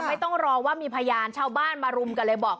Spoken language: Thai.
ไม่ต้องรอว่ามีพยานชาวบ้านมารุมกันเลยบอก